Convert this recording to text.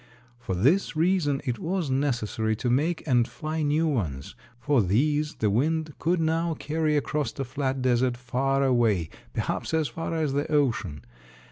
For this reason it was necessary to make and fly new ones, for these the wind could now carry across the flat desert far away perhaps as far as the ocean.